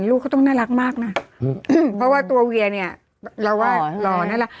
ลูกเขาต้องน่ารักมากน่ะเพราะว่าตัวเวียเนี่ยเราว่าหล่อน่ารัก